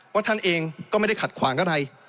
ท่านเองก็ไม่ได้ขัดขวางอะไร